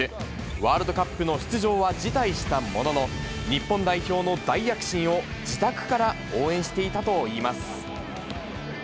ワールドカップの出場は辞退したものの、日本代表の大躍進を自宅から応援していたといいます。